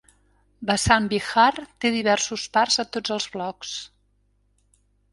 Vasant Vihar té diversos parcs a tots els blocs.